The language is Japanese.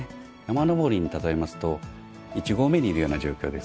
山登りに例えますと１合目にいるような状況です。